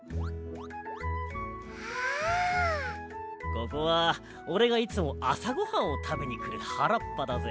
ここはおれがいつもあさごはんをたべにくるはらっぱだぜ。